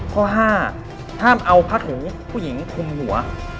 ข้อห้าห้ามเอาผักหูผู้หญิงคงหัว